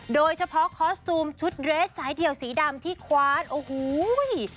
โดยเฉพาะคอสตูมชุดเรสสายเดี่ยวสีดำที่คว้านโอ้โห